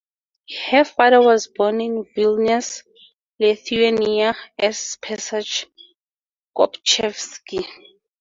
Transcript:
Her father was born in Vilnius, Lithuania, as Pesach Kobchefski.